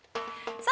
◆さあ